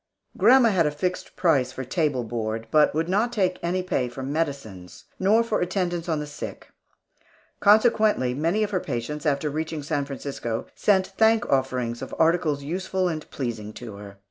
Grandma had a fixed price for table board, but would not take pay for medicines, nor for attendance on the sick; consequently, many of her patients, after reaching San Francisco, sent thank offerings of articles useful and pleasing to her.